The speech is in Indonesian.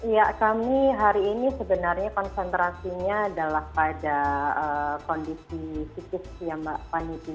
ya kami hari ini sebenarnya konsentrasinya adalah pada kondisi psikis ya mbak paniti